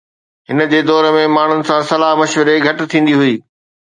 هن جي دور ۾ ماڻهن سان صلاح مشوري گهٽ ٿيندي هئي.